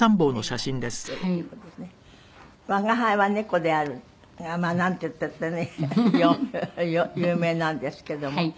『吾輩は猫である』がなんていったってね有名なんですけども。